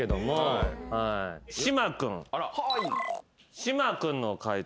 島君の解答